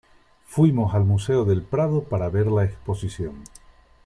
Fuimos al Museo del Prado para ver la exposición.